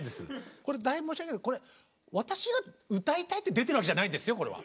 これ大変申し訳ないけど私が歌いたいって出てるわけじゃないんですよこれは。